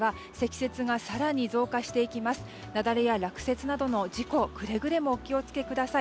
雪崩や落雪などの事故くれぐれもお気を付けください。